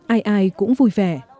ai ai cũng vui vẻ